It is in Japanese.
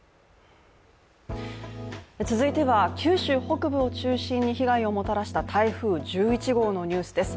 続いては、九州北部を中心に被害をもたらした台風１１号のニュースです。